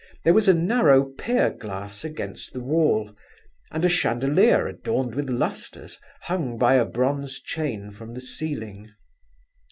There was a narrow pier glass against the wall, and a chandelier adorned with lustres hung by a bronze chain from the ceiling.